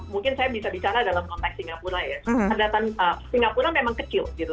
mungkin saya bisa bicara dalam konteks singapura yatan singapura memang kecil gitu